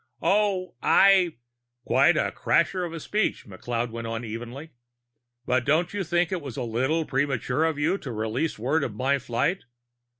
"Oh. I " "Quite a crasher of a speech," McLeod went on evenly. "But don't you think it was a little premature of you to release word of my flight.